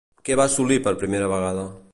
Què va assolir per primera vegada?